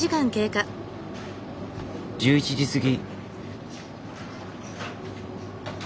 １１時過ぎ。